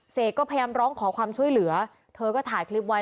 เสกก็พยายามร้องขอความช่วยเหลือเธอก็ถ่ายคลิปไว้